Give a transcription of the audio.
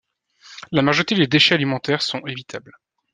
La majorité des déchets alimentaires sont évitables.